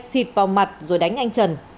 xịt vào mặt rồi đánh anh trần